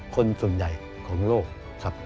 คนส่วนใหญ่ของโลกครับ